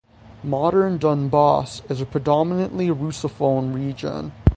Modern Donbass is a predominately Russophone region.